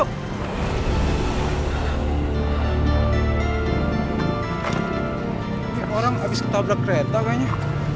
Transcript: orang habis ketabrak kereta kayaknya